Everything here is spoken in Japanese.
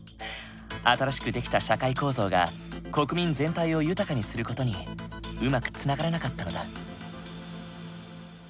新しく出来た社会構造が国民全体を豊かにする事にうまくつながらなかったのだ。